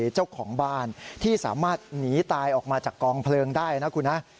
เจ้าของบ้านที่สามารถหนีตายออกมาจากกองเพลิงได้นะคุณฮะ